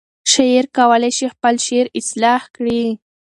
شاعر کولی شي خپل شعر اصلاح کړي.